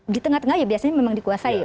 di tengah tengah ya biasanya memang dikuasai ya